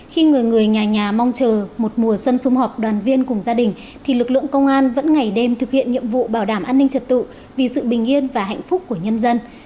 khi người người nhà nhà mong chờ một mùa xuân xung họp đoàn viên cùng gia đình thì lực lượng công an vẫn ngày đêm thực hiện nhiệm vụ bảo đảm an ninh trật tự vì sự bình yên và hạnh phúc của nhân dân